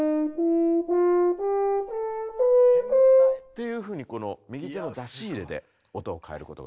繊細。っていうふうにこの右手の出し入れで音を変えることが。